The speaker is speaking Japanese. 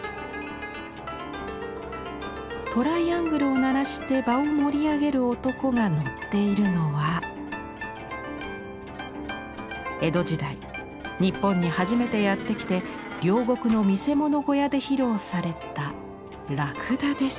トライアングルを鳴らして場を盛り上げる男が乗っているのは江戸時代日本に初めてやって来て両国の見せ物小屋で披露された駱駝です。